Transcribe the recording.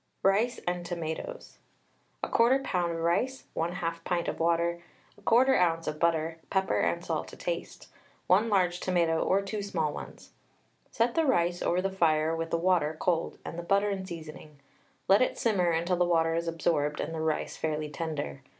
RICE AND TOMATOES. 1/4 lb. rice, 1/2 pint water, 1/4 oz. of butter, pepper and salt to taste, 1 large tomato or two small ones. Set the rice over the fire with the water (cold) and the butter and seasoning; let it simmer until the water is absorbed and the rice fairly tender.